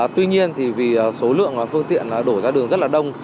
tuy nhiên thì vì số lượng phương tiện đổ ra đường rất là đông